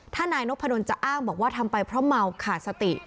ถ้านายนพดลจะอ้างบอกว่าทำไปเพราะเมาขาดสติ